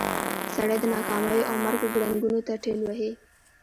سړی د ناکاميو او مرګ ګړنګونو ته ټېل وهي.